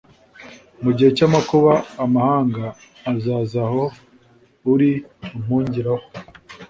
Mu gihe cy’amakuba amahanga azaza aho uri ampungiraho